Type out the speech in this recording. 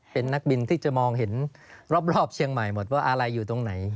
เป็นนักบินที่จะมองเห็นรอบเชียงใหม่หมดว่าอะไรอยู่ตรงไหน